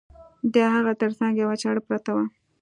د هغه تر څنګ یوه چاړه پرته وه.